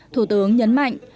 thủ tướng nhấn mạnh